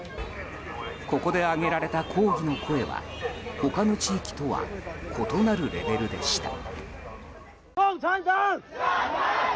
ここで上げられた抗議の声は他の地域とは異なるレベルでした。